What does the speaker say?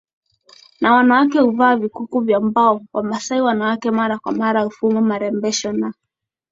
na wanawake huvaa vikuku vya mbao Wamasai wanawake mara kwa mara hufuma marembesho na